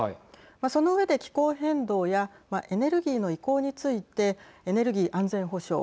その上で気候変動やエネルギーの移行についてエネルギー安全保障。